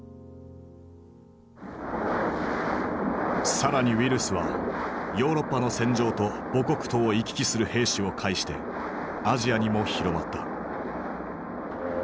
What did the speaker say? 更にウイルスはヨーロッパの戦場と母国とを行き来する兵士を介してアジアにも広まった。